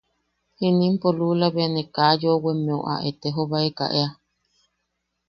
Jinimpo lula bea ne ¡e... kaa yoʼowemmeu a etejobaeka ea!